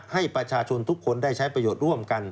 ให้ประชาชนทุกคนได้ใช้ประโยชน์ร่วมกัน